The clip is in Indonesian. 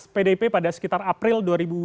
pdip pada sekitar april dua ribu dua puluh tiga